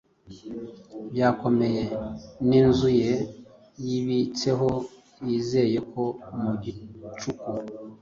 Byakomeye ninzu ye yibitsehoyizeye ko mu gicuku